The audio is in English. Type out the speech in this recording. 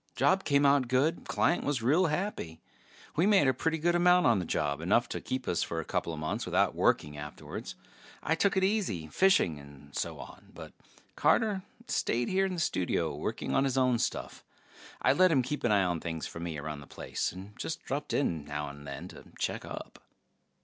Job came out good; client was real happy. We made a pretty good amount on the job, enough to keep us for a coupla months without working afterwards. I took it easy, fishing and so on, but Carter stayed here in the studio working on his own stuff. I let him keep an eye on things for me around the place, and just dropped in now and then to check up.